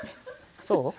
そう？